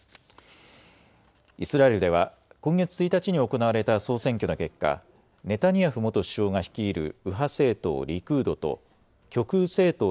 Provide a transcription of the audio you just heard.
イスラエルでは今月１日に行われた総選挙の結果、ネタニヤフ元首相が率いる右派政党